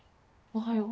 おはよう。